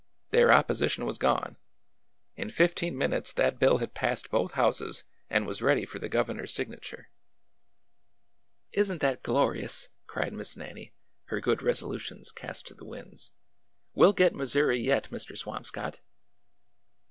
Their opposition was gone ! In fifteen minutes that bill had passed both houses and was ready for the governor's signature." i 82 ORDER NO. 11 Is n't that glorious !" cried Miss Nannie, her good resolutions cast to the winds. We 'll get Missouri yet, Mr. Swamscott